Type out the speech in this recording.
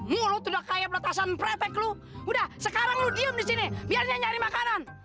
mulut udah kayak penetasan pratek lu udah sekarang lo diem di sini biarnya nyari makanan